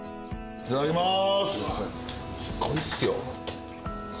いただきます。